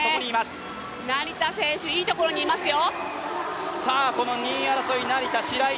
成田選手、いいところにいますよ。